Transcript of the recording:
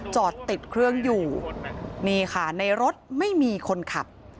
จอดติดเครื่องอยู่นี่ค่ะในรถไม่มีคนขับ